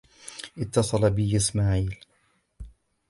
اتصل بي إسماعيل.